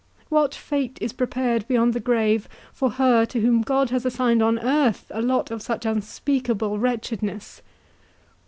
What fate is prepared beyond the grave for her, to whom God has assigned on earth a lot of such unspeakable wretchedness?